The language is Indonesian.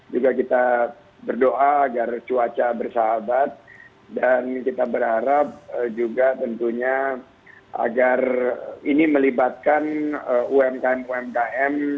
juga kita berdoa agar cuaca bersahabat dan kita berharap juga tentunya agar ini melibatkan umkm umkm